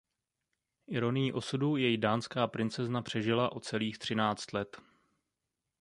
Ironií osudu jej dánská princezna přežila o celých třináct let.